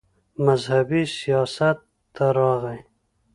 مذهبي سياست ته راغے